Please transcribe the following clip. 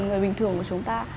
người bình thường của chúng ta